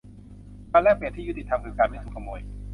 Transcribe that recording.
การแลกเปลี่ยนที่ยุติธรรมคือการไม่ถูกขโมย